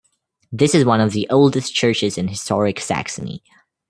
This is one of the oldest churches in historic Saxony.